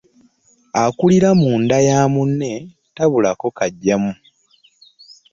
Akulira mu nda ya munne tabulako kaggyamu .